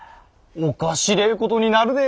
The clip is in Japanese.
おっかしれえことになるで。